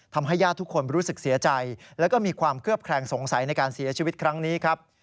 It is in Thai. ญาติทุกคนรู้สึกเสียใจแล้วก็มีความเคลือบแคลงสงสัยในการเสียชีวิตครั้งนี้ครับ